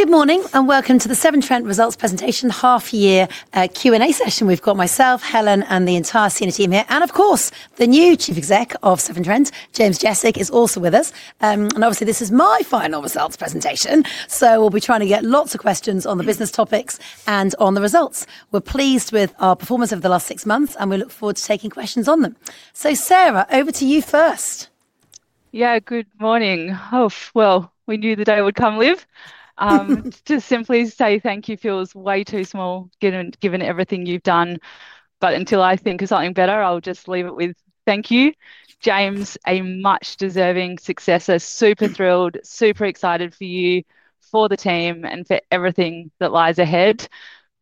Good morning and welcome to the Severn Trent results presentation half-year Q&A session. We have got myself, Helen, and the entire senior team here. Of course, the new Chief Exec of Severn Trent, James Jesic, is also with us. Obviously, this is my final results presentation. We will be trying to get lots of questions on the business topics and on the results. We are pleased with our performance over the last six months, and we look forward to taking questions on them. Sarah, over to you first. Yeah, good morning. We knew the day would come, Liv. To simply say thank you feels way too small, given everything you've done. Until I think of something better, I'll just leave it with thank you. James, a much-deserving successor. Super thrilled, super excited for you, for the team, and for everything that lies ahead.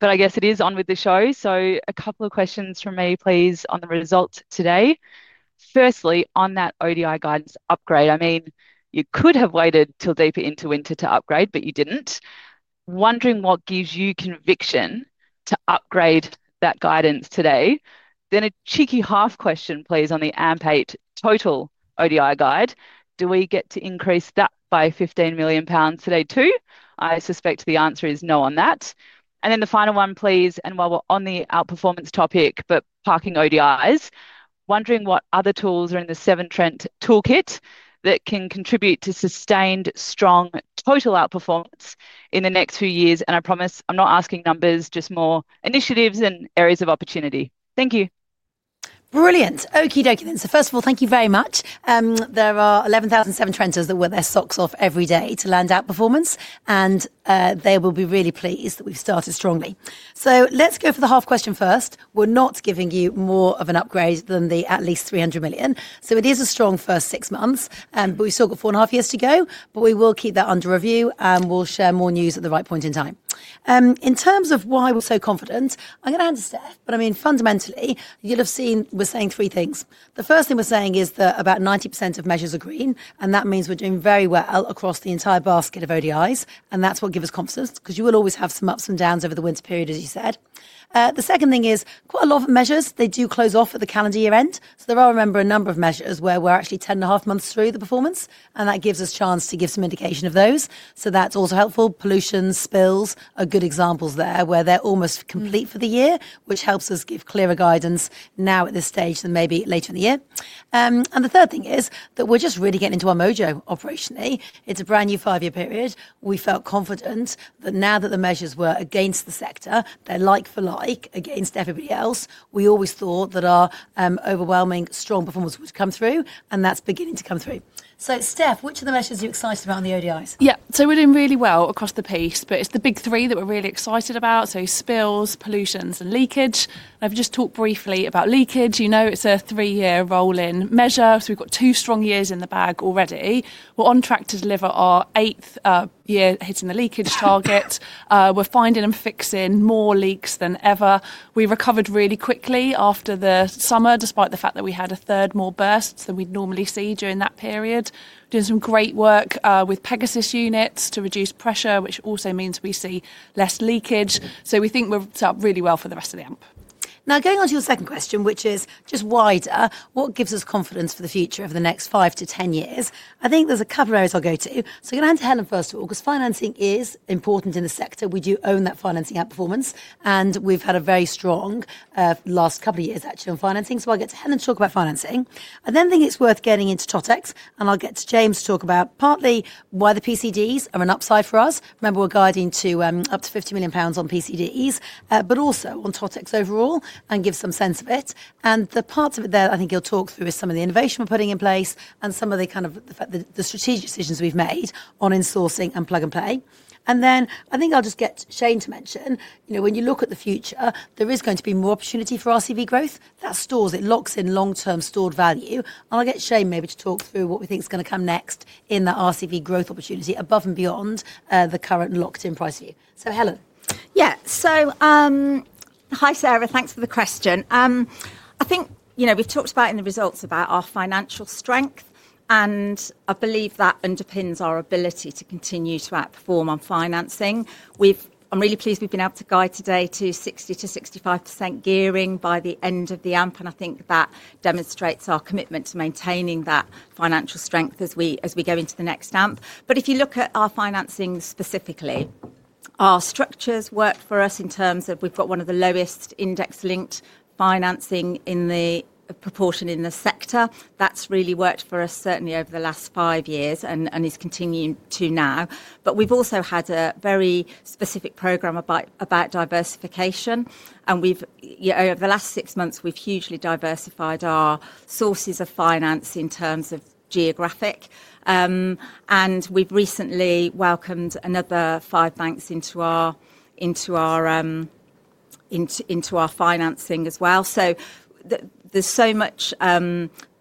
I guess it is on with the show. A couple of questions from me, please, on the results today. Firstly, on that ODI guidance upgrade, I mean, you could have waited till deeper into winter to upgrade, but you didn't. Wondering what gives you conviction to upgrade that guidance today? Then a cheeky half question, please, on the AMP8 total ODI guide. Do we get to increase that by 15 million pounds today too? I suspect the answer is no on that. The final one, please. While we're on the outperformance topic, but parking ODIs, wondering what other tools are in the Severn Trent toolkit that can contribute to sustained strong total outperformance in the next few years. I promise I'm not asking numbers, just more initiatives and areas of opportunity. Thank you. Brilliant. Okey dokey. First of all, thank you very much. There are 11,000 Severn Trenters that wear their socks off every day to land outperformance. They will be really pleased that we've started strongly. Let's go for the half question first. We're not giving you more of an upgrade than the at least 300 million. It is a strong first six months, but we still got four and a half years to go. We will keep that under review, and we'll share more news at the right point in time. In terms of why we're so confident, I'm going to answer Steph. I mean, fundamentally, you'll have seen we're saying three things. The first thing we're saying is that about 90% of measures are green. That means we're doing very well across the entire basket of ODIs. That is what gives us confidence, because you will always have some ups and downs over the winter period, as you said. The second thing is, quite a lot of measures, they do close off at the calendar year end. There are, remember, a number of measures where we are actually 10 and a half months through the performance. That gives us a chance to give some indication of those. That is also helpful. Pollution, spills are good examples there, where they are almost complete for the year, which helps us give clearer guidance now at this stage than maybe later in the year. The third thing is that we are just really getting into our mojo operationally. It is a brand new five-year period. We felt confident that now that the measures were against the sector, they're like-for-like against everybody else, we always thought that our overwhelming strong performance would come through. That is beginning to come through. Steph, which of the measures are you excited about in the ODIs? Yeah, so we're doing really well across the piece, but it's the big three that we're really excited about. Spills, pollution, and leakage. And I've just talked briefly about leakage. You know it's a three-year rolling measure. We've got two strong years in the bag already. We're on track to deliver our eighth year hitting the leakage target. We're finding and fixing more leaks than ever. We recovered really quickly after the summer, despite the fact that we had a third more bursts than we'd normally see during that period. Doing some great work with Pegasus Units to reduce pressure, which also means we see less leakage. We think we've set up really well for the rest of the AMP. Now, going on to your second question, which is just wider, what gives us confidence for the future over the next 5-10 years? I think there's a couple of areas I'll go to. I'm going to hand to Helen first of all, because financing is important in the sector. We do own that financing outperformance. We've had a very strong last couple of years, actually, on financing. I'll get to Helen to talk about financing. I think it's worth getting into TOTEX. I'll get to James to talk about partly why the PCDs are an upside for us. Remember, we're guiding to up to 50 million pounds on PCDs, but also on TOTEX overall, and give some sense of it. The parts of it there that I think he'll talk through are some of the innovation we're putting in place and some of the kind of the strategic decisions we've made on in-sourcing and Plug and Play. I think I'll just get Shane to mention, you know, when you look at the future, there is going to be more opportunity for RCV growth. That stores it, locks in long-term stored value. I'll get Shane maybe to talk through what we think is going to come next in the RCV growth opportunity above and beyond the current locked-in price view. Helen. Yeah, so hi, Sarah. Thanks for the question. I think, you know, we've talked about in the results about our financial strength. I believe that underpins our ability to continue to outperform on financing. I'm really pleased we've been able to guide today to 60%-65% gearing by the end of the AMP. I think that demonstrates our commitment to maintaining that financial strength as we go into the next AMP. If you look at our financing specifically, our structures work for us in terms of we've got one of the lowest index-linked financing in the proportion in the sector. That's really worked for us, certainly over the last five years and is continuing to now. We've also had a very specific program about diversification. Over the last six months, we've hugely diversified our sources of finance in terms of geographic. We have recently welcomed another five banks into our financing as well. There is so much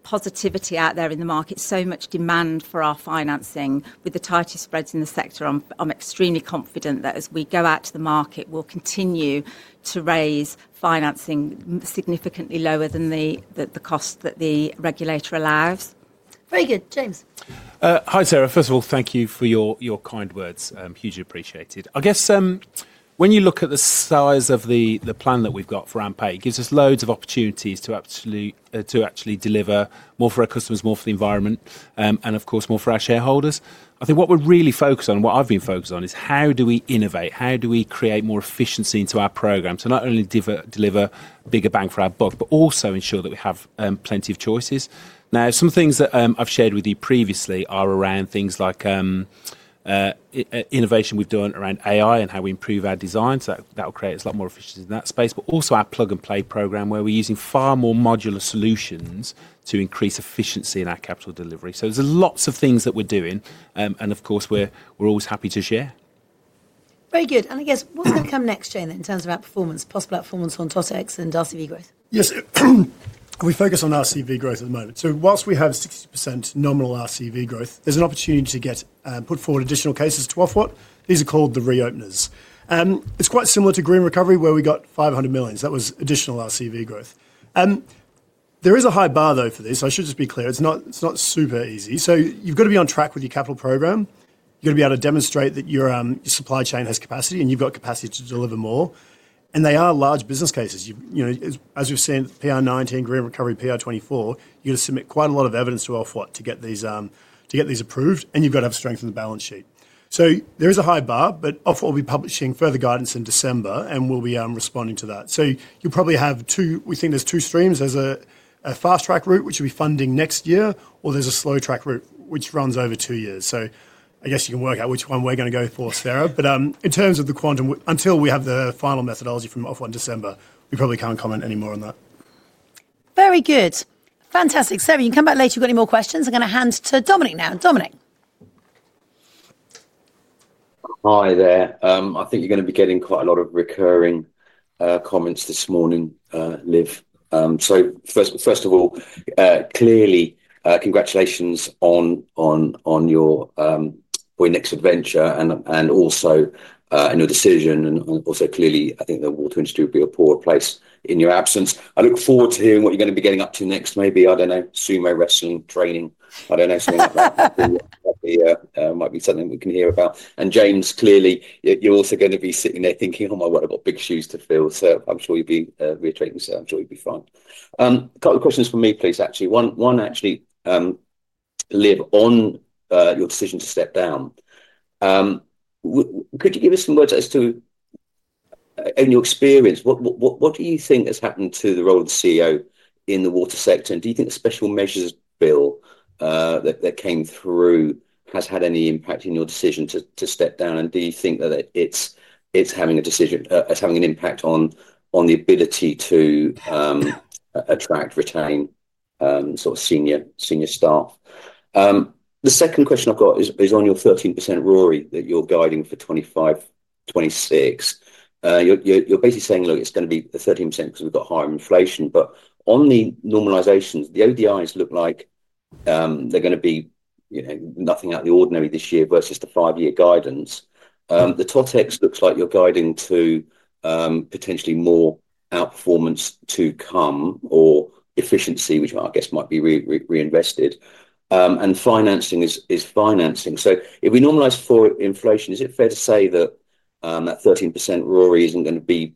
positivity out there in the market, so much demand for our financing with the tighter spreads in the sector. I am extremely confident that as we go out to the market, we will continue to raise financing significantly lower than the cost that the regulator allows. Very good. James. Hi, Sarah. First of all, thank you for your kind words. Hugely appreciated. I guess when you look at the size of the plan that we've got for AMP, it gives us loads of opportunities to actually deliver more for our customers, more for the environment, and of course, more for our shareholders. I think what we're really focused on, what I've been focused on, is how do we innovate? How do we create more efficiency into our program to not only deliver bigger bang for our buck, but also ensure that we have plenty of choices? Now, some things that I've shared with you previously are around things like innovation we've done around AI and how we improve our designs. That will create us a lot more efficient in that space, but also our Plug and Play program where we're using far more modular solutions to increase efficiency in our capital delivery. There are lots of things that we're doing. Of course, we're always happy to share. Very good. I guess what's going to come next, Jane, in terms of outperformance, possible outperformance on TOTEX and RCV growth? Yes. We focus on RCV growth at the moment. So whilst we have 60% nominal RCV growth, there's an opportunity to get put forward additional cases to Ofwat. These are called the Reopeners. It's quite similar to Green Recovery, where we got 500 million. That was additional RCV growth. There is a high bar, though, for this. I should just be clear. It's not super easy. You've got to be on track with your capital program. You've got to be able to demonstrate that your supply chain has capacity and you've got capacity to deliver more. They are large business cases. As we've seen, PR19, Green Recovery, PR24, you're going to submit quite a lot of evidence to Ofwat to get these approved. You've got to have strength in the balance sheet. There is a high bar, but Ofwat will be publishing further guidance in December, and we'll be responding to that. You'll probably have two, we think there are two streams. There is a fast track route, which will be funding next year, or there is a slow track route, which runs over two years. I guess you can work out which one we're going to go for, Sarah. In terms of the quantum, until we have the final methodology from Ofwat in December, we probably can't comment any more on that. Very good. Fantastic. Sarah, you can come back later if you've got any more questions. I'm going to hand to Dominic now. Dominic. Hi there. I think you're going to be getting quite a lot of recurring comments this morning, Liv. First of all, clearly, congratulations on your next adventure and also in your decision. Also, clearly, I think the water industry would be a poor place in your absence. I look forward to hearing what you're going to be getting up to next. Maybe, I don't know, sumo wrestling, training, I don't know, something like that. That might be something we can hear about. James, clearly, you're also going to be sitting there thinking, "Oh my word, I've got big shoes to fill." I'm sure you'll be reiterating, so I'm sure you'll be fine. A couple of questions for me, please, actually. One, actually, Liv, on your decision to step down. Could you give us some words as to, in your experience, what do you think has happened to the role of the CEO in the water sector? Do you think the Special Measures Bill that came through has had any impact in your decision to step down? Do you think that it's having an impact on the ability to attract, retain sort of senior staff? The second question I've got is on your 13% RORE that you're guiding for 2025, 2026. You're basically saying, "Look, it's going to be the 13% because we've got higher inflation." On the normalisations, the ODIs look like they're going to be nothing out of the ordinary this year versus the five-year guidance. The TOTEX looks like you're guiding to potentially more outperformance to come or efficiency, which I guess might be reinvested. Financing is financing. If we normalize for inflation, is it fair to say that that 13% RORE isn't going to be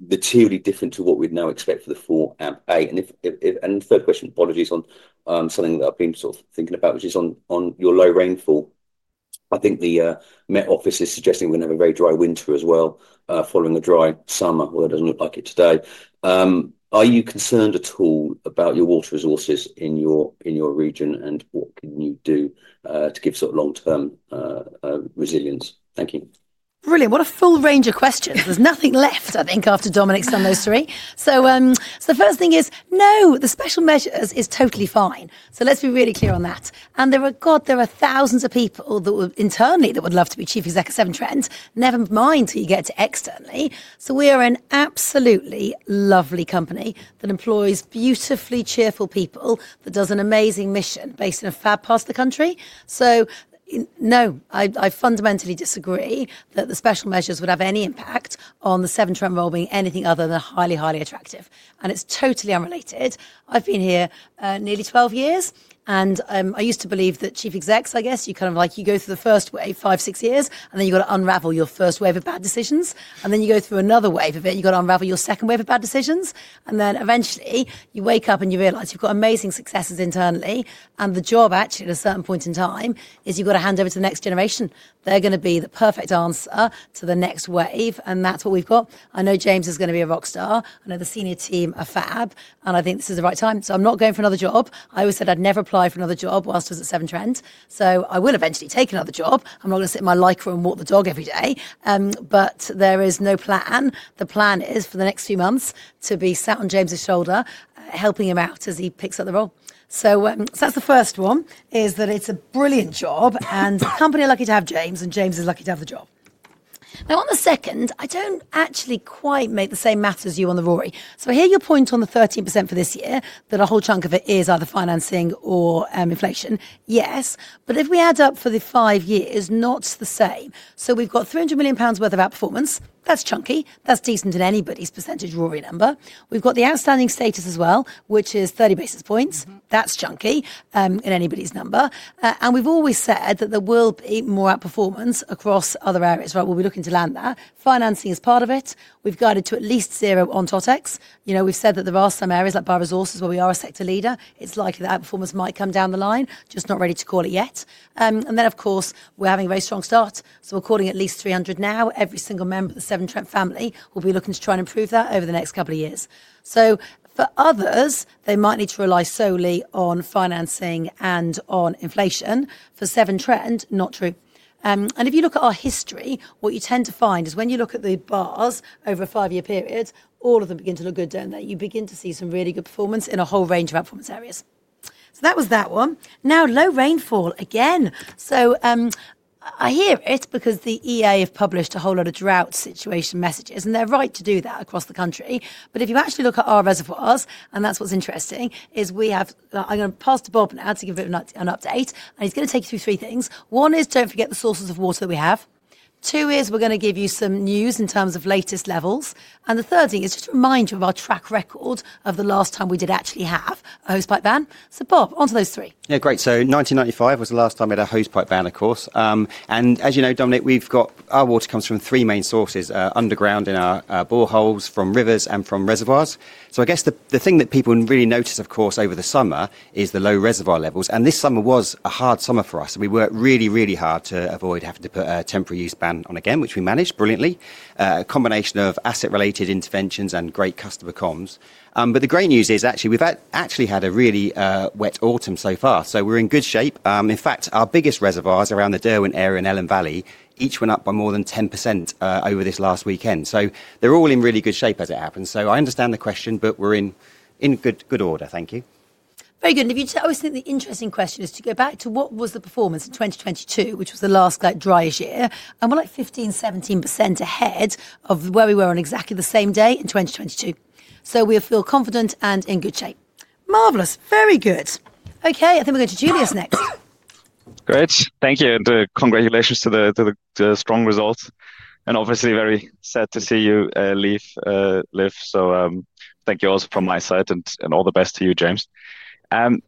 materially different to what we'd now expect for the full AMP8? Third question, apologies on something that I've been sort of thinking about, which is on your low rainfall. I think the Met Office is suggesting we're going to have a very dry winter as well following a dry summer, although it doesn't look like it today. Are you concerned at all about your water resources in your region, and what can you do to give sort of long-term resilience? Thank you. Brilliant. What a full range of questions. There's nothing left, I think, after Dominic's done those three. The first thing is, no, the special measures is totally fine. Let's be really clear on that. There are, God, there are thousands of people internally that would love to be Chief Executive Severn Trent. Never mind who you get externally. We are an absolutely lovely company that employs beautifully cheerful people that does an amazing mission based in a fab part of the country. No, I fundamentally disagree that the special measures would have any impact on the Severn Trent role being anything other than highly, highly attractive. It's totally unrelated. I've been here nearly 12 years. I used to believe that Chief Execs, I guess, you kind of like you go through the first wave, five, six years, and then you've got to unravel your first wave of bad decisions. You go through another wave of it. You've got to unravel your second wave of bad decisions. Eventually, you wake up and you realize you've got amazing successes internally. The job, actually, at a certain point in time is you've got to hand over to the next generation. They're going to be the perfect answer to the next wave. That's what we've got. I know James is going to be a rock star. I know the senior team are fab. I think this is the right time. I'm not going for another job. I always said I'd never apply for another job whilst I was at Severn Trent. I will eventually take another job. I'm not going to sit in my lycra and walk the dog every day. There is no plan. The plan is for the next few months to be sat on James's shoulder, helping him out as he picks up the role. That's the first one, is that it's a brilliant job. The company is lucky to have James, and James is lucky to have the job. Now, on the second, I don't actually quite make the same matter as you on the RORE. I hear your point on the 13% for this year, that a whole chunk of it is either financing or inflation. Yes. If we add up for the five years, not the same. We've got 300 million pounds worth of outperformance. That's chunky. That's decent in anybody's percentage RORE number. We've got the outstanding status as well, which is 30 basis points. That's chunky in anybody's number. We've always said that there will be more outperformance across other areas. Right? We'll be looking to land that. Financing is part of it. We've guided to at least zero on TOTEX. You know, we've said that there are some areas like bioresources where we are a sector leader. It's likely that outperformance might come down the line. Just not ready to call it yet. Of course, we're having a very strong start. We're calling at least 300 million now. Every single member of the Severn Trent family will be looking to try and improve that over the next couple of years. For others, they might need to rely solely on financing and on inflation. For Severn Trent, not true. If you look at our history, what you tend to find is when you look at the bars over a five-year period, all of them begin to look good, don't they? You begin to see some really good performance in a whole range of outperformance areas. That was that one. Now, low rainfall again. I hear it because the EA have published a whole lot of drought situation messages. They're right to do that across the country. If you actually look at our reservoirs, and that's what's interesting, we have, I'm going to pass to Bob now to give an update. He's going to take you through three things. One is don't forget the sources of water that we have. Two is we're going to give you some news in terms of latest levels. The third thing is just to remind you of our track record of the last time we did actually have a hosepipe ban. Bob, onto those three. Yeah, great. 1995 was the last time we had a hosepipe ban, of course. As you know, Dominic, our water comes from three main sources: underground in our boreholes, from rivers, and from reservoirs. I guess the thing that people really notice over the summer is the low reservoir levels. This summer was a hard summer for us. We worked really, really hard to avoid having to put a temporary use ban on again, which we managed brilliantly. A combination of asset-related interventions and great customer comms. The great news is, actually, we've had a really wet autumn so far. We're in good shape. In fact, our biggest reservoirs around the Derwent area and Elan Valley each went up by more than 10% over this last weekend. They're all in really good shape as it happens.I understand the question, but we're in good order. Thank you. Very good. I always think the interesting question is to go back to what was the performance in 2022, which was the last dry year. And we're like 15%, 17% ahead of where we were on exactly the same day in 2022. So we feel confident and in good shape. Marvelous. Very good. Okay, I think we're going to Julius next. Great. Thank you. And congratulations to the strong results. Obviously, very sad to see you leave, Liv. Thank you also from my side and all the best to you, James.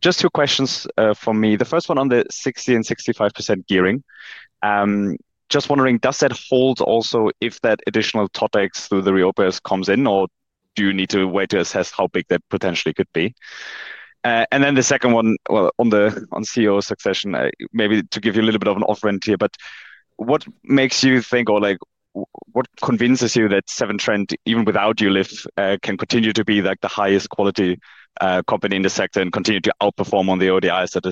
Just two questions for me. The first one on the 60%-65% gearing. Just wondering, does that hold also if that additional TOTEX through the Reopeners comes in, or do you need to wait to assess how big that potentially could be? The second one on the CEO succession, maybe to give you a little bit of an off-ramp here, but what makes you think, or what convinces you that Severn Trent, even without you, Liv, can continue to be the highest quality company in the sector and continue to outperform on the ODIs that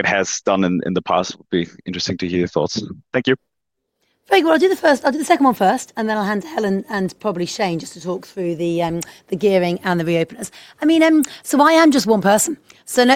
it has done in the past? It would be interesting to hear your thoughts. Thank you. Very good. I'll do the second one first, and then I'll hand to Helen and probably Shane just to talk through the gearing and the Reopeners. I mean, I am just one person.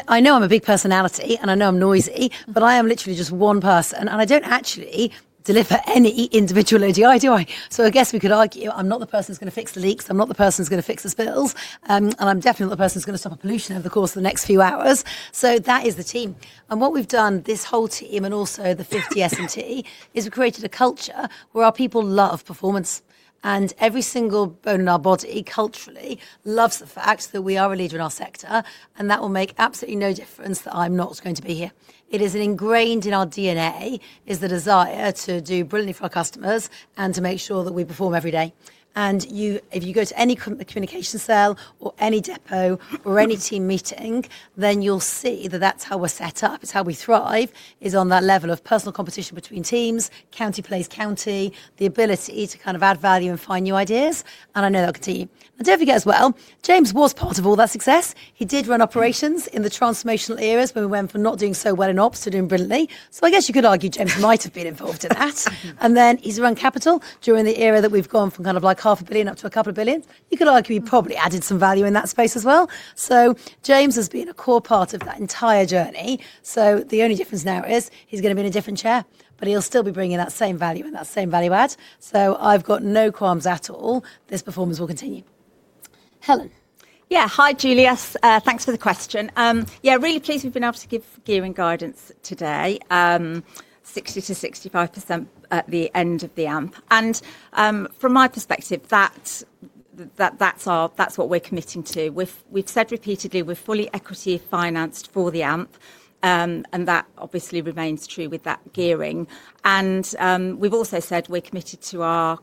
I know I'm a big personality, and I know I'm noisy, but I am literally just one person. I don't actually deliver any individual ODI, do I? I guess we could argue I'm not the person who's going to fix the leaks. I'm not the person who's going to fix the spills. I'm definitely not the person who's going to stop pollution over the course of the next few hours. That is the team. What we've done, this whole team and also the 50 S&T, is we created a culture where our people love performance. Every single bone in our body culturally loves the fact that we are a leader in our sector. That will make absolutely no difference that I'm not going to be here. It is ingrained in our DNA, the desire to do brilliantly for our customers and to make sure that we perform every day. If you go to any communication cell or any depot or any team meeting, you'll see that that's how we're set up. It's how we thrive, is on that level of personal competition between teams, county plays county, the ability to kind of add value and find new ideas. I know that will continue. Don't forget as well, James was part of all that success. He did run operations in the transformational eras when we went from not doing so well in ops to doing brilliantly. I guess you could argue James might have been involved in that. Then he's run capital during the era that we've gone from kind of like 500,000,000 up to a couple of billion. You could argue he probably added some value in that space as well. James has been a core part of that entire journey. The only difference now is he's going to be in a different chair, but he'll still be bringing that same value and that same value add. I've got no qualms at all. This performance will continue. Helen. Yeah, hi, Julius. Thanks for the question. Yeah, really pleased we've been able to give gearing guidance today, 60%-65% at the end of the AMP. From my perspective, that's what we're committing to. We've said repeatedly we're fully equity financed for the AMP. That obviously remains true with that gearing. We've also said we're committed to our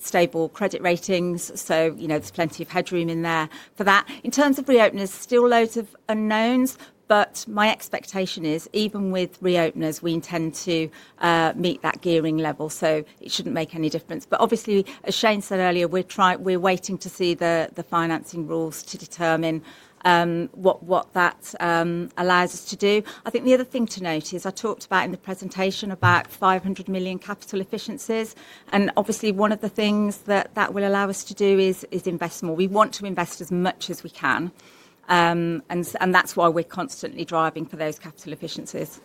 stable credit ratings. There's plenty of headroom in there for that. In terms of Reopeners, still loads of unknowns. My expectation is, even with Reopeners, we intend to meet that gearing level. It shouldn't make any difference. Obviously, as Shane said earlier, we're waiting to see the financing rules to determine what that allows us to do. I think the other thing to note is I talked about in the presentation about 500 million capital efficiencies. Obviously, one of the things that that will allow us to do is invest more. We want to invest as much as we can. That is why we are constantly driving for those capital efficiencies.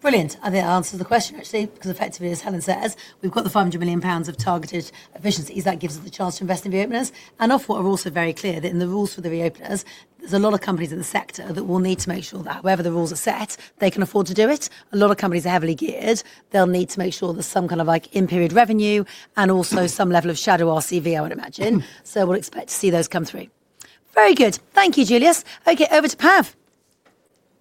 Brilliant. I think that answers the question, actually, because effectively, as Helen says, we've got the 500 million pounds of targeted efficiencies that gives us the chance to invest in Reopeners. Ofwat were also very clear that in the rules for the Reopeners, there's a lot of companies in the sector that will need to make sure that however the rules are set, they can afford to do it. A lot of companies are heavily geared. They'll need to make sure there's some kind of like impaired revenue and also some level of shadow RCV, I would imagine. We'll expect to see those come through. Very good. Thank you, Julius. Okay, over to Pav.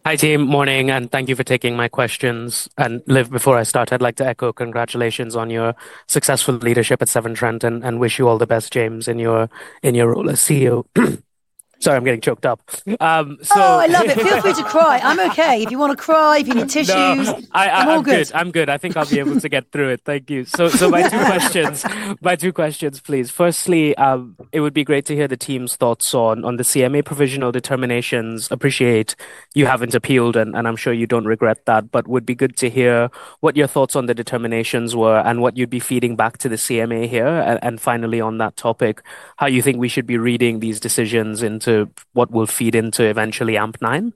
Hi, team. Morning. Thank you for taking my questions. Liv, before I start, I'd like to echo congratulations on your successful leadership at Severn Trent and wish you all the best, James, in your role as CEO. Sorry, I'm getting choked up. Oh, I love it. Feel free to cry. I'm okay. If you want to cry, if you need tissues, I'm all good. I'm good. I'm good. I think I'll be able to get through it. Thank you. My two questions, please. Firstly, it would be great to hear the team's thoughts on the CMA provisional determinations. Appreciate you haven't appealed, and I'm sure you don't regret that, but would be good to hear what your thoughts on the determinations were and what you'd be feeding back to the CMA here. Finally, on that topic, how you think we should be reading these decisions into what will feed into eventually AMP9.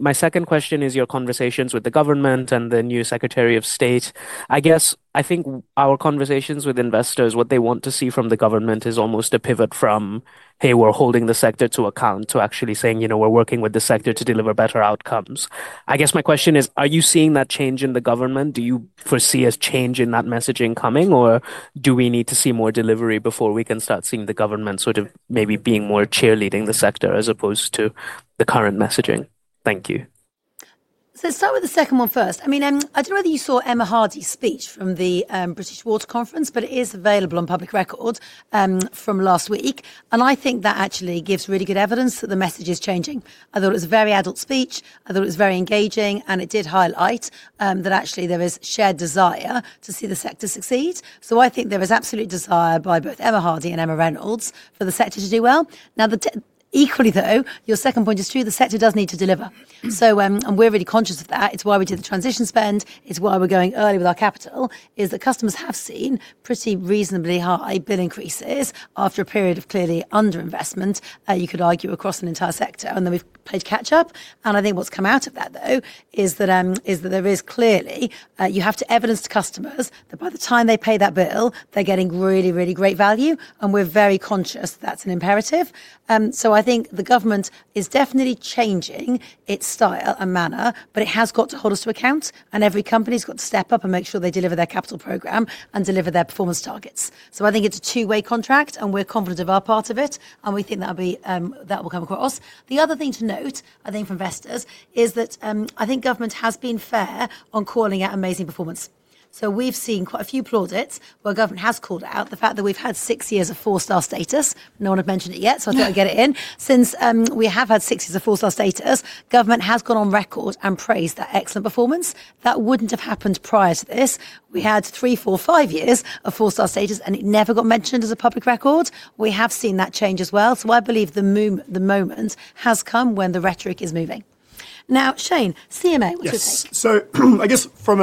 My second question is your conversations with the government and the new Secretary of State. I guess I think our conversations with investors, what they want to see from the government is almost a pivot from, hey, we're holding the sector to account to actually saying, you know, we're working with the sector to deliver better outcomes. I guess my question is, are you seeing that change in the government? Do you foresee a change in that messaging coming, or do we need to see more delivery before we can start seeing the government sort of maybe being more cheerleading the sector as opposed to the current messaging? Thank you. Start with the second one first. I mean, I don't know whether you saw Emma Hardy's speech from the British Water Conference, but it is available on public record from last week. I think that actually gives really good evidence that the message is changing. I thought it was a very adult speech. I thought it was very engaging. It did highlight that actually there is shared desire to see the sector succeed. I think there is absolute desire by both Emma Hardy and Emma Reynolds for the sector to do well. Now, equally, though, your second point is true. The sector does need to deliver. We're really conscious of that. It's why we did the transition spend. It's why we're going early with our capital, is that customers have seen pretty reasonably high bill increases after a period of clearly underinvestment, you could argue, across an entire sector. We've played catch-up. I think what's come out of that, though, is that there is clearly you have to evidence to customers that by the time they pay that bill, they're getting really, really great value. We're very conscious that that's an imperative. I think the government is definitely changing its style and manner, but it has got to hold us to account. Every company's got to step up and make sure they deliver their capital program and deliver their performance targets. I think it's a two-way contract, and we're confident of our part of it. We think that will come across. The other thing to note, I think, for investors is that I think government has been fair on calling out amazing performance. We have seen quite a few plaudits where government has called out the fact that we have had six years of four-star status. No one had mentioned it yet, so I thought I would get it in. Since we have had six years of four-star status, government has gone on record and praised that excellent performance. That would not have happened prior to this. We had three, four, five years of four-star status, and it never got mentioned as a public record. We have seen that change as well. I believe the moment has come when the rhetoric is moving. Now, Shane, CMA, what do you think? Yes. I guess from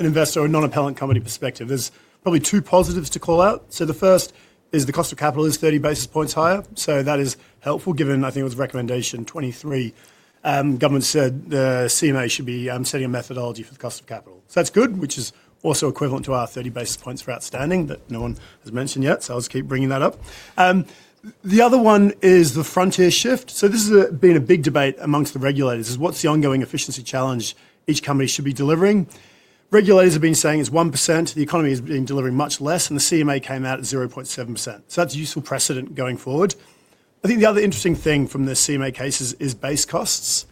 an investor or non-appellant company perspective, there's probably two positives to call out. The first is the cost of capital is 30 basis points higher. That is helpful, given, I think it was recommendation 23. Government said the CMA should be setting a methodology for the cost of capital. That's good, which is also equivalent to our 30 basis points for outstanding that no one has mentioned yet. I'll just keep bringing that up. The other one is the frontier shift. This has been a big debate amongst the regulators is what's the ongoing efficiency challenge each company should be delivering. Regulators have been saying it's 1%. The economy has been delivering much less. The CMA came out at 0.7%. That's a useful precedent going forward. I think the other interesting thing from the CMA cases is base costs.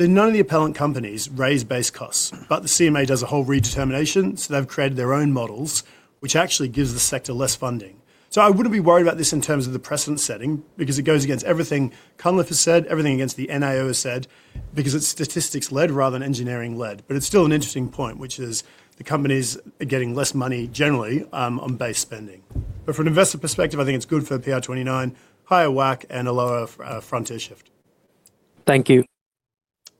None of the appellant companies raise base costs, but the CMA does a whole redetermination. They have created their own models, which actually gives the sector less funding. I would not be worried about this in terms of the precedent setting because it goes against everything Cunliffe has said, everything against the NIO has said, because it is statistics-led rather than engineering-led. It is still an interesting point, which is the companies are getting less money generally on base spending. From an investor perspective, I think it is good for PR29, higher WACC and a lower frontier shift. Thank you.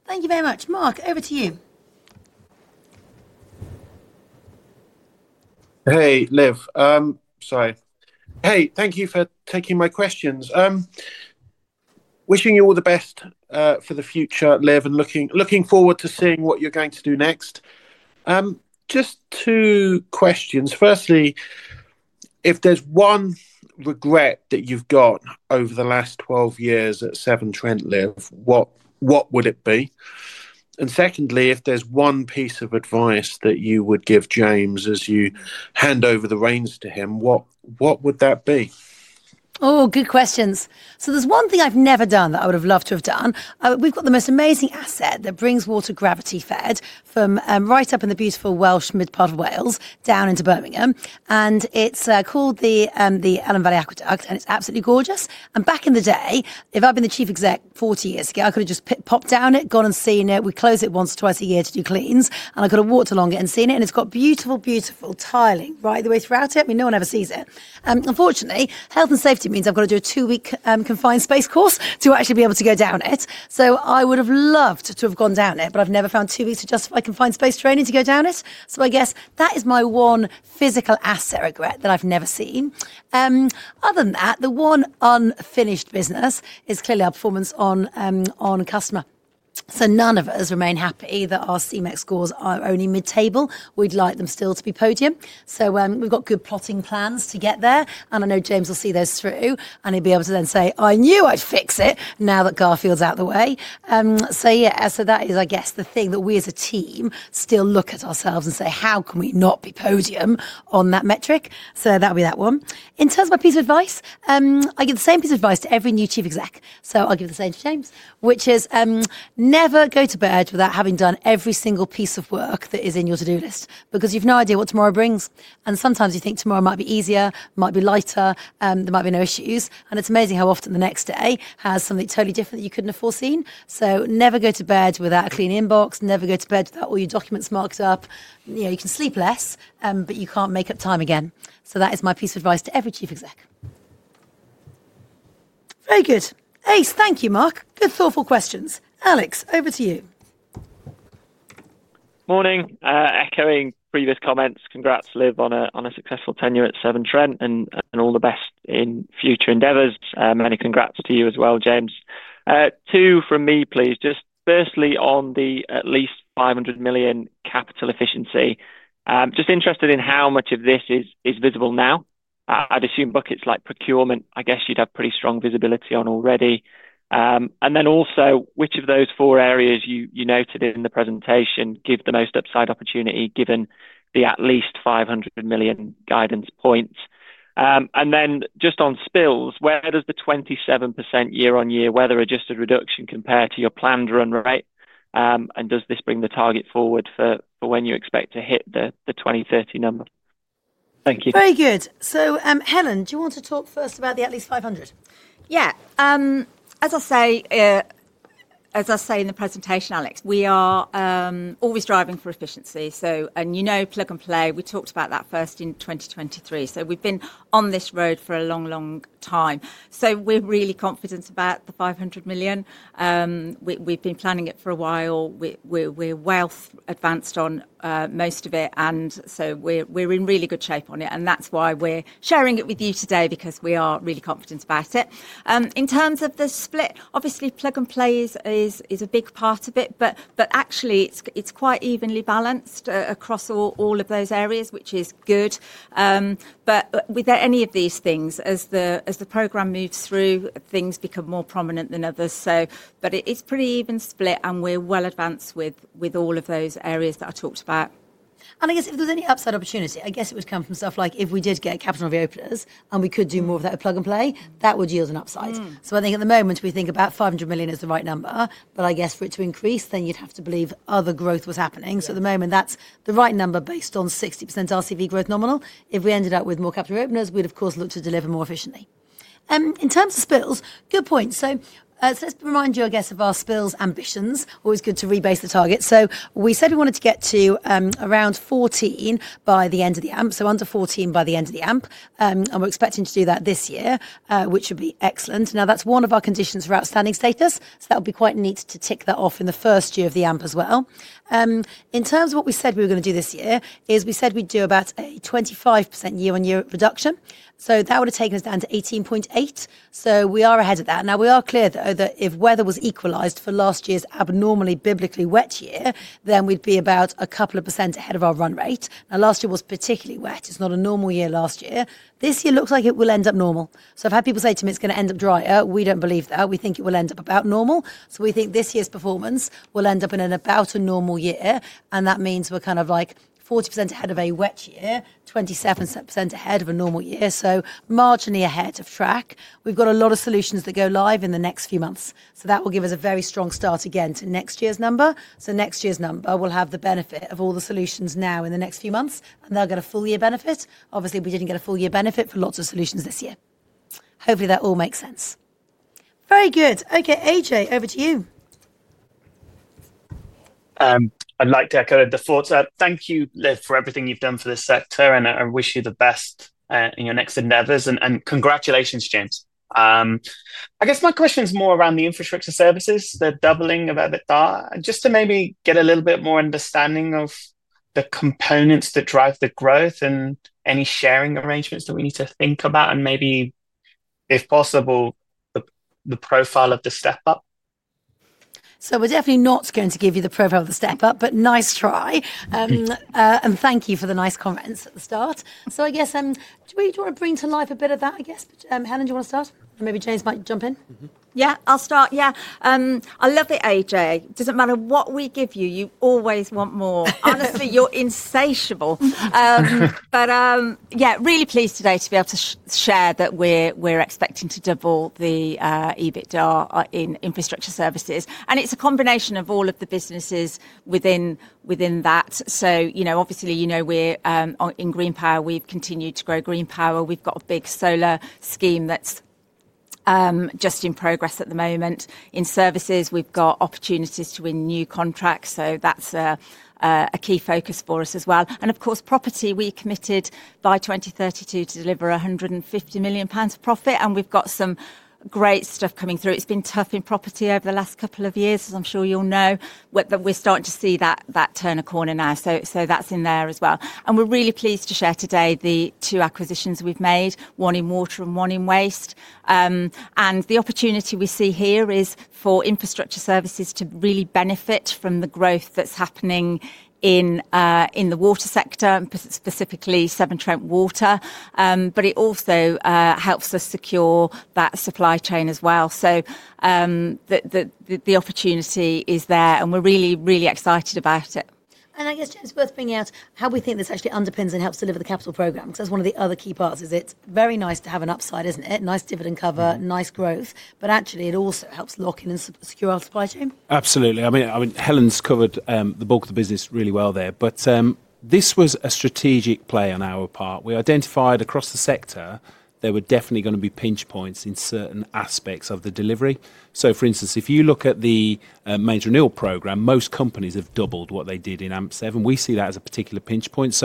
Thank you very much. Mark, over to you. Hey, Liv. Sorry. Hey, thank you for taking my questions. Wishing you all the best for the future, Liv, and looking forward to seeing what you're going to do next. Just two questions. Firstly, if there's one regret that you've got over the last 12 years at Severn Trent, Liv, what would it be? Secondly, if there's one piece of advice that you would give James as you hand over the reins to him, what would that be? Oh, good questions. There is one thing I have never done that I would have loved to have done. We have got the most amazing asset that brings water gravity fed from right up in the beautiful Welsh mid-part of Wales down into Birmingham. It is called the Elan Valley Aqueduct, and it is absolutely gorgeous. Back in the day, if I had been the Chief Exec 40 years ago, I could have just popped down it, gone and seen it. We would close it once or twice a year to do cleans. I could have walked along it and seen it. It has got beautiful, beautiful tiling right the way throughout it. I mean, no one ever sees it. Unfortunately, health and safety means I have got to do a two-week confined space course to actually be able to go down it. I would have loved to have gone down it, but I've never found two weeks to justify confined space training to go down it. I guess that is my one physical asset regret that I've never seen. Other than that, the one unfinished business is clearly our performance on customer. None of us remain happy that our CMEX scores are only mid-table. We'd like them still to be podium. We've got good plotting plans to get there. I know James will see those through. He'll be able to then say, "I knew I'd fix it now that Garfield's out of the way." That is, I guess, the thing that we as a team still look at ourselves and say, "How can we not be podium on that metric?" That would be that one. In terms of my piece of advice, I give the same piece of advice to every new Chief Exec. I will give the same to James, which is never go to bed without having done every single piece of work that is in your to-do list because you have no idea what tomorrow brings. Sometimes you think tomorrow might be easier, might be lighter, there might be no issues. It is amazing how often the next day has something totally different that you could not have foreseen. Never go to bed without a clean inbox. Never go to bed without all your documents marked up. You can sleep less, but you cannot make up time again. That is my piece of advice to every Chief Exec. Very good. Ace, thank you, Mark. Good thoughtful questions. Alex, over to you. Morning. Echoing previous comments, congrats, Liv, on a successful tenure at Severn Trent and all the best in future endeavors. Many congrats to you as well, James. Two from me, please. Just firstly on the at least 500 million capital efficiency. Just interested in how much of this is visible now. I'd assume buckets like procurement, I guess you'd have pretty strong visibility on already. Also, which of those four areas you noted in the presentation give the most upside opportunity given the at least 500 million guidance points? Just on spills, where does the 27% year-on-year weather-adjusted reduction compare to your planned run rate? Does this bring the target forward for when you expect to hit the 2030 number? Thank you. Very good. Helen, do you want to talk first about the at least 500? Yeah. As I say in the presentation, Alex, we are always driving for efficiency. And you know plug and play, we talked about that first in 2023. We have been on this road for a long, long time. We are really confident about the 500 million. We have been planning it for a while. We are well advanced on most of it. We are in really good shape on it. That is why we are sharing it with you today because we are really confident about it. In terms of the split, obviously, plug and play is a big part of it. Actually, it is quite evenly balanced across all of those areas, which is good. With any of these things, as the program moves through, things become more prominent than others. It is a pretty even split, and we are well advanced with all of those areas that I talked about. I guess if there was any upside opportunity, I guess it would come from stuff like if we did get capital Reopeners and we could do more of that Plug and Play, that would yield an upside. I think at the moment, we think about 500 million is the right number. I guess for it to increase, then you'd have to believe other growth was happening. At the moment, that's the right number based on 60% RCV growth nominal. If we ended up with more capital Reopeners, we'd, of course, look to deliver more efficiently. In terms of spills, good point. Let's remind you, I guess, of our spills ambitions. Always good to rebase the target. We said we wanted to get to around 14 by the end of the AMP. Under 14 by the end of the AMP. We're expecting to do that this year, which would be excellent. That is one of our conditions for outstanding status. That would be quite neat to tick that off in the first year of the AMP as well. In terms of what we said we were going to do this year, we said we'd do about a 25% year-on-year reduction. That would have taken us down to 18.8. We are ahead of that. We are clear that if weather was equalized for last year's abnormally biblically wet year, then we'd be about a couple of percent ahead of our run rate. Last year was particularly wet. It is not a normal year last year. This year looks like it will end up normal. I've had people say to me, "It's going to end up drier." We do not believe that. We think it will end up about normal. We think this year's performance will end up in about a normal year. That means we're kind of like 40% ahead of a wet year, 27% ahead of a normal year. Marginally ahead of track. We've got a lot of solutions that go live in the next few months. That will give us a very strong start again to next year's number. Next year's number will have the benefit of all the solutions now in the next few months, and they'll get a full year benefit. Obviously, we didn't get a full year benefit for lots of solutions this year. Hopefully, that all makes sense. Very good. Okay, AJ, over to you. I'd like to echo the thoughts. Thank you, Liv, for everything you've done for this sector. I wish you the best in your next endeavors. Congratulations, James. I guess my question is more around the Infrastructure Services, the doubling of EBITDA. Just to maybe get a little bit more understanding of the components that drive the growth and any sharing arrangements that we need to think about. Maybe, if possible, the profile of the step-up. We're definitely not going to give you the profile of the step-up, but nice try. Thank you for the nice comments at the start. I guess do we want to bring to life a bit of that, I guess? Helen, do you want to start? Or maybe James might jump in. Yeah, I'll start. Yeah. I love it, AJ. Doesn't matter what we give you, you always want more. Honestly, you're insatiable. Yeah, really pleased today to be able to share that we're expecting to double the EBITDA in Infrastructure Services. It's a combination of all of the businesses within that. Obviously, you know in Green Power, we've continued to grow Green Power. We've got a big solar scheme that's just in progress at the moment. In Services, we've got opportunities to win new contracts. That's a key focus for us as well. Of course, property, we committed by 2032 to deliver 150 million pounds of profit. We've got some great stuff coming through. It's been tough in property over the last couple of years, as I'm sure you'll know, but we're starting to see that turn a corner now. That's in there as well. We are really pleased to share today the two acquisitions we have made, one in water and one in waste. The opportunity we see here is for Infrastructure Services to really benefit from the growth that is happening in the water sector, specifically Severn Trent Water. It also helps us secure that supply chain as well. The opportunity is there. We are really, really excited about it. I guess, James, worth bringing out how we think this actually underpins and helps deliver the capital program. That is one of the other key parts, is it's very nice to have an upside, isn't it? Nice dividend cover, nice growth. Actually, it also helps lock in and secure our supply chain. Absolutely. I mean, Helen's covered the bulk of the business really well there. This was a strategic play on our part. We identified across the sector there were definitely going to be pinch points in certain aspects of the delivery. For instance, if you look at the Major O'Neill program, most companies have doubled what they did in AMP 7. We see that as a particular pinch point.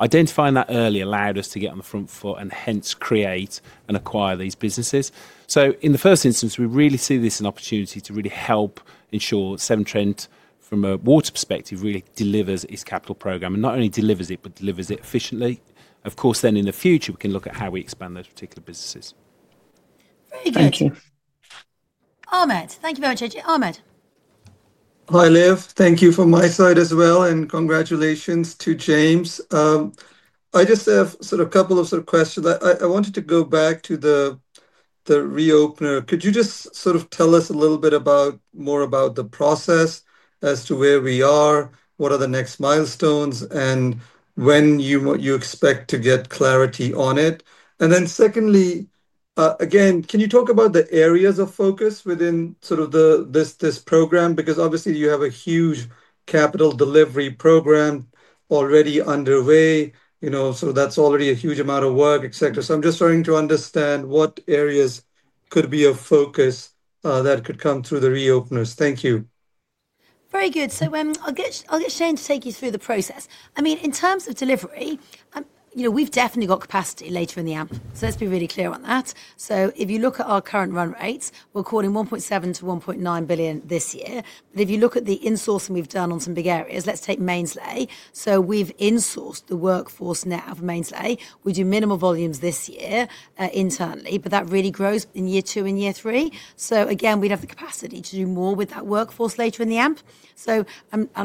Identifying that early allowed us to get on the front foot and hence create and acquire these businesses. In the first instance, we really see this as an opportunity to really help ensure Severn Trent, from a water perspective, really delivers its capital program. Not only delivers it, but delivers it efficiently. Of course, in the future, we can look at how we expand those particular businesses. Very good. Thank you. Ahmed, thank you very much, AJ. Ahmed. Hi, Liv. Thank you from my side as well. Congratulations to James. I just have sort of a couple of sort of questions. I wanted to go back to the reopener. Could you just sort of tell us a little bit more about the process as to where we are, what are the next milestones, and when you expect to get clarity on it? Secondly, again, can you talk about the areas of focus within sort of this program? Because obviously, you have a huge capital delivery program already underway. That is already a huge amount of work, et cetera. I am just trying to understand what areas could be of focus that could come through the Reopeners. Thank you. Very good. I'll get Shane to take you through the process. I mean, in terms of delivery, we've definitely got capacity later in the AMP. Let's be really clear on that. If you look at our current run rates, we're calling 1.7 billion-1.9 billion this year. If you look at the insourcing we've done on some big areas, let's take Mainsley. We've insourced the workforce now for Mainsley. We do minimal volumes this year internally. That really grows in year two and year three. We'd have the capacity to do more with that workforce later in the AMP.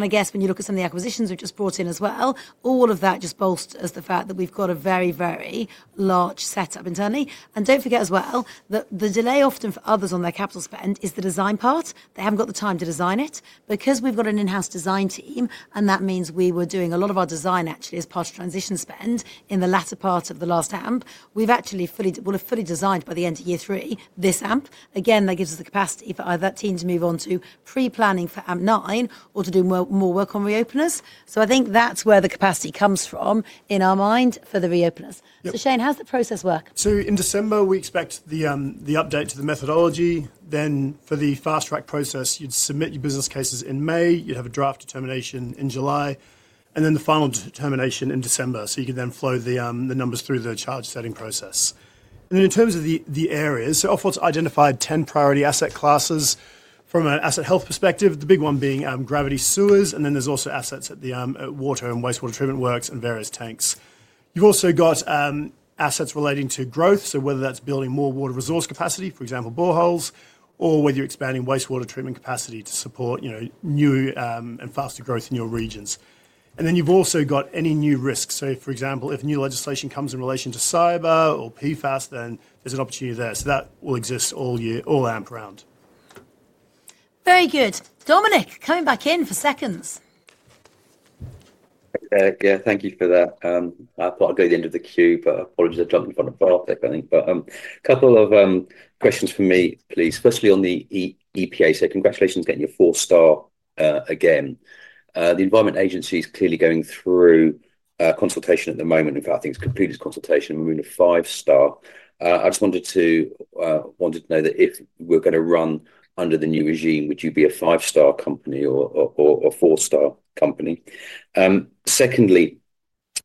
I guess when you look at some of the acquisitions we've just brought in as well, all of that just bolsters the fact that we've got a very, very large setup internally. Do not forget as well that the delay often for others on their capital spend is the design part. They have not got the time to design it. Because we have got an in-house design team, and that means we were doing a lot of our design actually as part of transition spend in the latter part of the last AMP, we will have fully designed by the end of year three this AMP. Again, that gives us the capacity for either that team to move on to pre-planning for AMP 9 or to do more work on Reopeners. I think that is where the capacity comes from in our mind for the Reopeners. Shane, how does the process work? In December, we expect the update to the methodology. For the fast track process, you'd submit your business cases in May. You'd have a draft determination in July. The final determination is in December. You can then flow the numbers through the charge setting process. In terms of the areas, Ofwat identified 10 priority asset classes from an asset health perspective, the big one being gravity sewers. There are also assets at the water and wastewater treatment works and various tanks. You've also got assets relating to growth, whether that's building more water resource capacity, for example, boreholes, or expanding wastewater treatment capacity to support new and faster growth in your regions. You've also got any new risks. For example, if new legislation comes in relation to cyber or PFAS, then there's an opportunity there. That will exist all AMP round. Very good. Dominic, coming back in for seconds. Yeah, thank you for that. I thought I'd go to the end of the queue, but apologies for jumping in front of Ofwat there, I think. A couple of questions for me, please, especially on the EPA. Congratulations on getting your four star again. The Environment Agency is clearly going through consultation at the moment. In fact, I think it's completed its consultation. We're moving to five star. I just wanted to know that if we're going to run under the new regime, would you be a five star company or four star company? Secondly,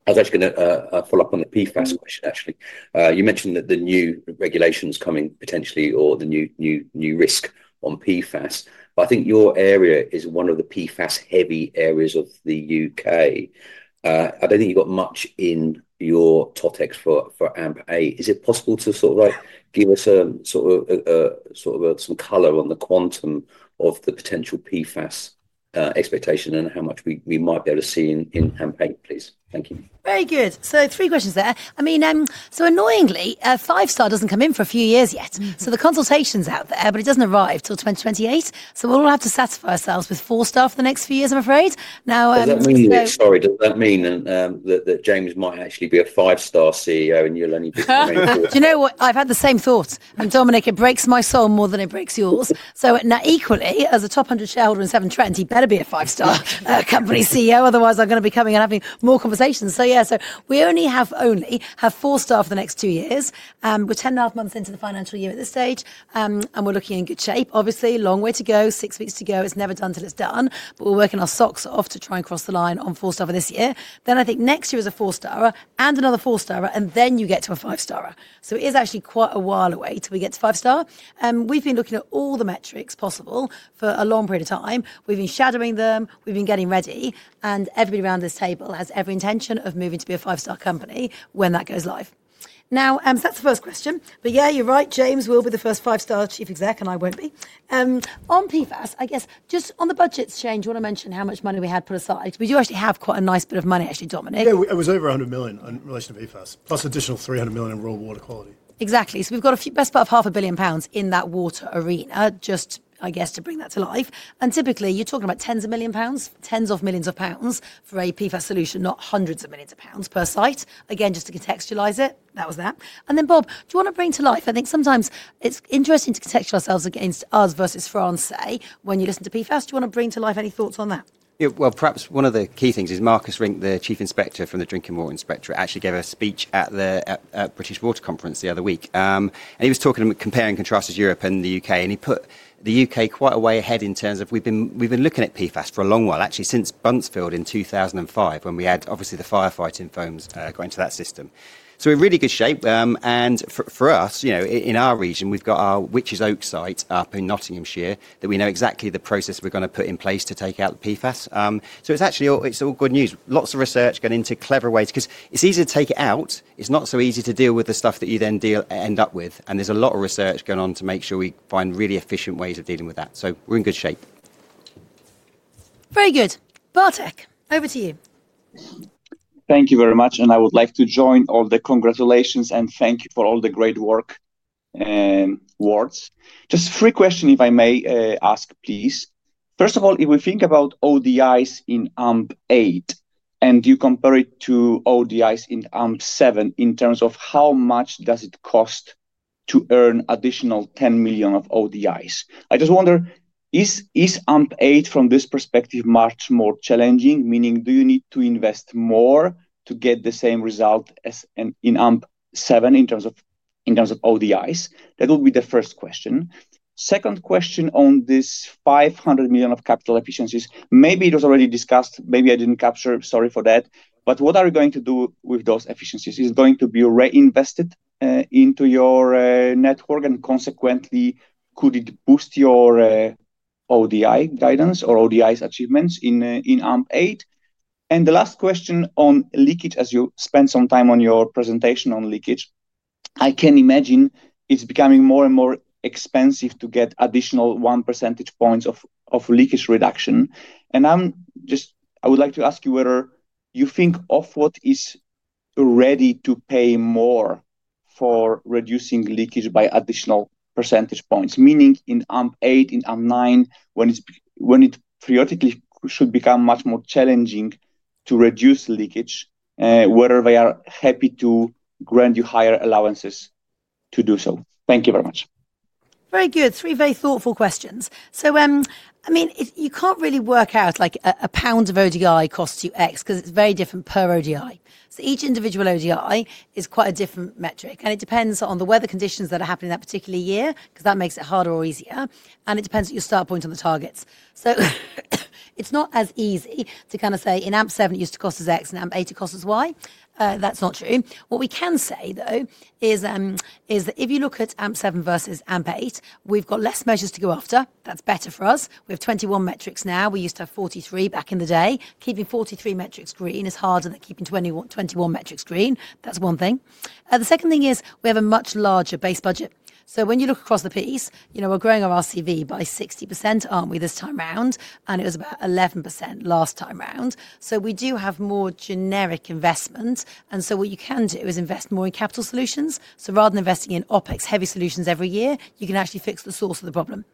I was actually going to follow up on the PFAS question, actually. You mentioned that the new regulations coming potentially or the new risk on PFAS. I think your area is one of the PFAS heavy areas of the U.K. I don't think you've got much in your TOTEX for AMP8. Is it possible to sort of give us sort of some color on the quantum of the potential PFAS expectation and how much we might be able to see in AMP8, please? Thank you. Very good. So three questions there. I mean, so annoyingly, five star doesn't come in for a few years yet. So the consultation's out there, but it doesn't arrive till 2028. So we'll have to satisfy ourselves with four star for the next few years, I'm afraid. Now. Does that mean, sorry, does that mean that James might actually be a five star CEO and you'll only be coming forward? Do you know what? I've had the same thoughts. Dominic, it breaks my soul more than it breaks yours. Now equally, as a top 100 shareholder in Severn Trent, he better be a five star company CEO. Otherwise, I'm going to be coming and having more conversations. We only have four star for the next two years. We're 10 and a half months into the financial year at this stage, and we're looking in good shape. Obviously, long way to go, six weeks to go. It's never done till it's done. We're working our socks off to try and cross the line on four star for this year. I think next year is a four star and another four star, and then you get to a five star. It is actually quite a while away till we get to five star. We've been looking at all the metrics possible for a long period of time. We've been shadowing them. We've been getting ready. Everybody around this table has every intention of moving to be a five star company when that goes live. That's the first question. Yeah, you're right, James will be the first five star Chief Exec, and I won't be. On PFAS, just on the budgets change, I want to mention how much money we had put aside. We do actually have quite a nice bit of money, actually, Dominic. Yeah, it was over 100 million in relation to PFAS, plus additional 300 million in raw water quality. Exactly. We have got a best part of 500,000,000 pounds in that water arena, just, I guess, to bring that to life. Typically, you are talking about tens of millions of pounds for a PFAS solution, not hundreds of millions of pounds per site. Again, just to contextualize it, that was that. Bob, do you want to bring to life, I think sometimes it is interesting to contextualize ourselves against us versus Francaise when you listen to PFAS. Do you want to bring to life any thoughts on that? Perhaps one of the key things is Marcus Rink, the Chief Inspector from the Drinking Water Inspectorate, actually gave a speech at the British Water Conference the other week. He was talking about comparing and contrasting Europe and the U.K. He put the U.K. quite a way ahead in terms of we've been looking at PFAS for a long while, actually, since Bunsfield in 2005, when we had, obviously, the firefighting foams going to that system. We are in really good shape. For us, in our region, we've got our Witches Oak site up in Nottinghamshire that we know exactly the process we're going to put in place to take out the PFAS. It's actually all good news. Lots of research going into clever ways. Because it's easy to take it out.It's not so easy to deal with the stuff that you then end up with. There's a lot of research going on to make sure we find really efficient ways of dealing with that. We're in good shape. Very good. Bartek, over to you. Thank you very much. I would like to join all the congratulations and thank you for all the great work and words. Just three questions, if I may ask, please. First of all, if we think about ODIs in AMP8 and you compare it to ODIs in AMP7 in terms of how much does it cost to earn additional 10 million of ODIs, I just wonder, is AMP8 from this perspective much more challenging? Meaning, do you need to invest more to get the same result as in AMP7 in terms of ODIs? That would be the first question. Second question on this 500 million of capital efficiencies, maybe it was already discussed, maybe I did not capture, sorry for that. What are we going to do with those efficiencies? Is it going to be reinvested into your network? Could it boost your ODI guidance or ODIs achievements in AMP8? The last question on leakage, as you spent some time on your presentation on leakage, I can imagine it's becoming more and more expensive to get an additional 1 percentage point of leakage reduction. I would like to ask you whether you think Ofwat is ready to pay more for reducing leakage by additional percentage points, meaning in AMP8, in AMP9, when it periodically should become much more challenging to reduce leakage, whether they are happy to grant you higher allowances to do so. Thank you very much. Very good. Three very thoughtful questions. I mean, you can't really work out like a pound of ODI costs you X because it's very different per ODI. Each individual ODI is quite a different metric. It depends on the weather conditions that are happening in that particular year because that makes it harder or easier. It depends on your start point on the targets. It's not as easy to kind of say in AMP7 it used to cost us X and AMP8 it cost us Y. That's not true. What we can say, though, is that if you look at AMP7 versus AMP8, we've got less measures to go after. That's better for us. We have 21 metrics now. We used to have 43 back in the day. Keeping 43 metrics green is harder than keeping 21 metrics green. That's one thing. The second thing is we have a much larger base budget. When you look across the piece, we're growing our RCV by 60%, aren't we, this time around? It was about 11% last time around. We do have more generic investment. What you can do is invest more in capital solutions. Rather than investing in OpEx-heavy solutions every year, you can actually fix the source of the problem.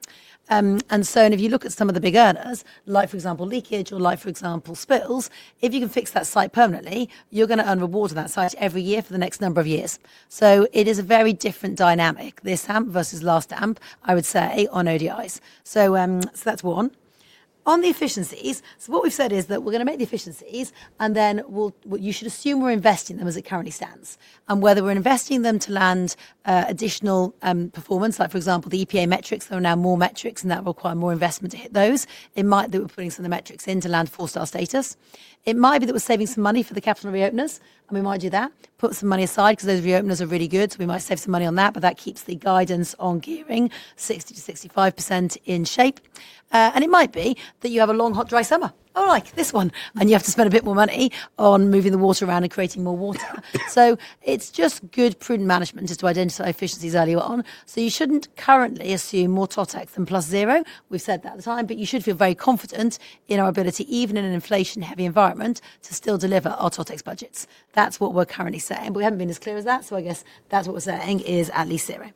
If you look at some of the big earners, like for example, leakage or, like for example, spills, if you can fix that site permanently, you're going to earn rewards on that site every year for the next number of years. It is a very different dynamic, this AMP versus last AMP, I would say, on ODIs. That's one. On the efficiencies, what we've said is that we're going to make the efficiencies, and then you should assume we're investing them as it currently stands. Whether we're investing them to land additional performance, like for example, the EPA metrics, there are now more metrics that require more investment to hit those. It might be that we're putting some of the metrics in to land four star status. It might be that we're saving some money for the capital Reopeners. We might do that, put some money aside because those Reopeners are really good. We might save some money on that. That keeps the guidance on gearing 60%-65% in shape. It might be that you have a long, hot, dry summer, unlike this one, and you have to spend a bit more money on moving the water around and creating more water. It is just good prudent management just to identify efficiencies earlier on. You should not currently assume more TOTEX than plus zero. We have said that at the time. You should feel very confident in our ability, even in an inflation-heavy environment, to still deliver our TOTEX budgets. That is what we are currently saying. We have not been as clear as that. I guess what we are saying is at least zero.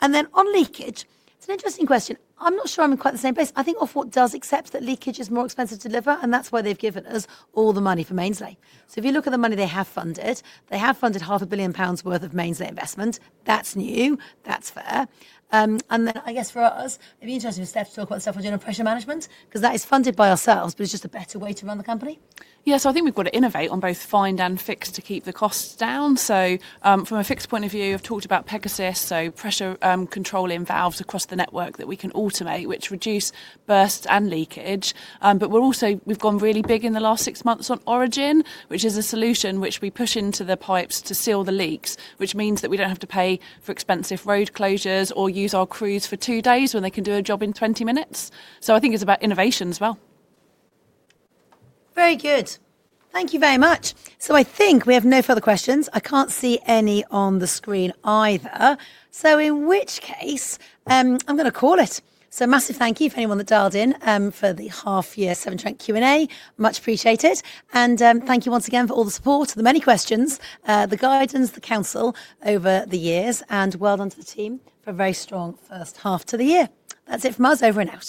On leakage, it is an interesting question. I am not sure I am in quite the same place. I think Ofwat does accept that leakage is more expensive to deliver. That is why they have given us all the money for mains rehabilitation. If you look at the money they have funded, they have funded 500,000,000 pounds worth of Mains Rehabilitation investment. That's new. That's fair. I guess for us, it'd be interesting to step to talk about self-regional pressure management because that is funded by ourselves, but it's just a better way to run the company. Yeah, I think we've got to innovate on both find and fix to keep the costs down. From a fix point of view, I've talked about Pegasus, so pressure controlling valves across the network that we can automate, which reduce bursts and leakage. We have gone really big in the last six months on Origin, which is a solution which we push into the pipes to seal the leaks, which means that we do not have to pay for expensive road closures or use our crews for two days when they can do a job in 20 minutes. I think it is about innovation as well. Very good. Thank you very much. I think we have no further questions. I cannot see any on the screen either. In which case, I am going to call it. Massive thank you for anyone that dialed in for the half year Severn Trent Q&A. Much appreciated. Thank you once again for all the support, the many questions, the guidance, the counsel over the years. Well done to the team for a very strong first half to the year. That's it from us over in AMP.